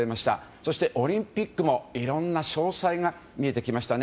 そしてオリンピックもいろんな詳細が見えてきましたね。